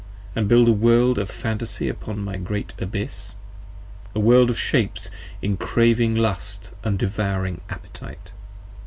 And build a World of Phantasy upon my Great Abyss? A World of Shapes in craving lust & devouring appetite.